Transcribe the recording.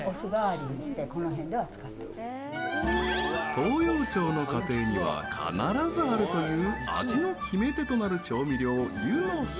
東洋町の家庭には必ずあるという味の決め手となる調味料、ゆの酢。